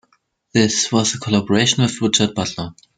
This was a collaboration with Richard Butler.